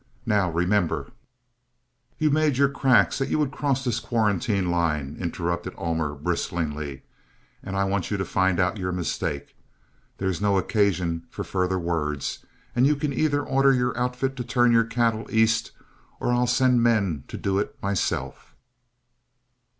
Now, remember " "You made your cracks that you would cross this quarantine line," interrupted Ullmer, bristlingly, "and I want you to find out your mistake. There is no occasion for further words, and you can either order your outfit to turn your cattle east, or I'll send men and do it myself."